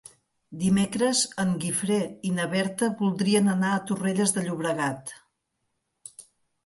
Dimecres en Guifré i na Berta voldrien anar a Torrelles de Llobregat.